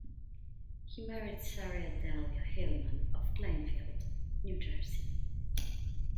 He married Sarah Delia Hilman of Plainfield, New Jersey.